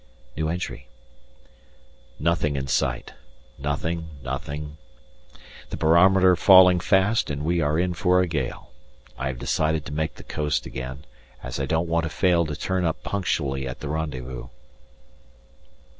Nothing in sight, nothing, nothing. The barometer falling fast and we are in for a gale. I have decided to make the coast again, as I don't want to fail to turn up punctually at the rendezvous.